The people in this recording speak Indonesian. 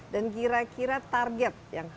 dan kira kira target yang